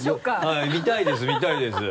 はい見たいです見たいです。